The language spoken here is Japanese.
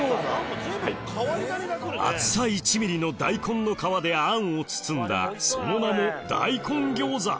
⁉厚さ１ｍｍの大根の皮で餡を包んだその名も大根餃子